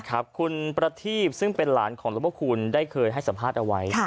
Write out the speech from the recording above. คุณประทีบซึ่งเป็นหลานของหลวงพระคุณได้เคยให้สัมภาษณ์เอาไว้